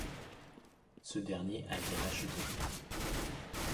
Ce dernier a été racheté.